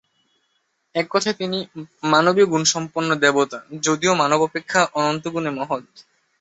এক কথায় তিনি মানবীয়গুণসম্পন্ন দেবতা, যদিও মানব অপেক্ষা অনন্তগুণে মহৎ।